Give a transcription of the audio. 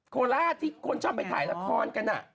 โคราชที่คนชอบไปถ่ายละครกัน